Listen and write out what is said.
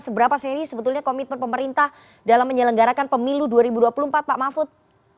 seberapa serius sebetulnya komitmen pemerintah dalam menyelenggarakan pemilu dua ribu dua puluh empat pak mahfud